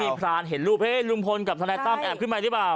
มีพรานเห็นรูปลุงพลกับทนายตั้มแอบขึ้นมาหรือเปล่า